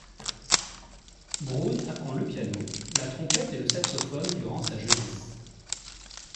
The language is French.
Brown apprend le piano, la trompette et le saxophone durant sa jeunesse.